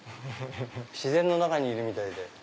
自然の中にいるみたいで。